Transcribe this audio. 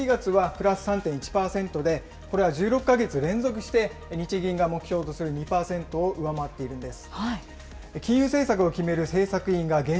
直近の７月はプラス３．１％で、これは１６か月連続して日銀が目標とする２％を上回っているんです。